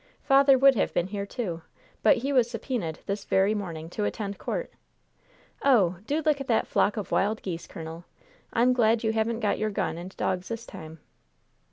Father would have been here, too, but he was subpoenaed this very morning to attend court. Oh! do look at that flock of wild geese, colonel! I'm glad you haven't got your gun and dogs this time!"